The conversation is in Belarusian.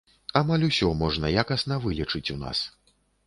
Амаль усё можна якасна вылечыць у нас.